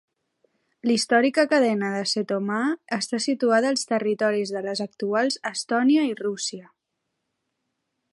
L"històrica cadena de Setomaa està situada als territoris de les actuals Estònia i Rússia..